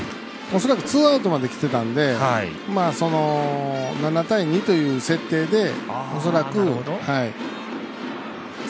恐らくツーアウトまできてたんで７対２という設定で恐らく。